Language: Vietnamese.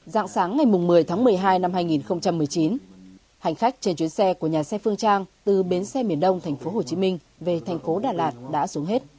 giảng sáng ngày một mươi tháng một mươi hai năm hai nghìn một mươi chín hành khách trên chuyến xe của nhà xe phương trang từ bến xe miền đông thành phố hồ chí minh về thành phố đà lạt đã xuống hết